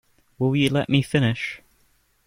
Will you let me finish?